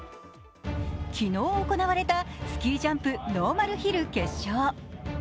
昨日行われたスキージャンプ・ノーマルヒル決勝。